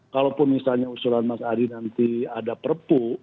kalaupun misalnya usulan mas adi nanti ada perpu